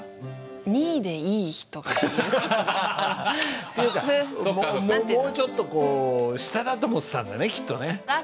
２位でいい人。というかもうちょっとこう下だと思ってたんだねきっとね。